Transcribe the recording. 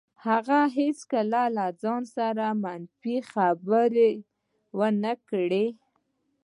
هغه هېڅکله له ځان سره منفي خبرې ونه کړې.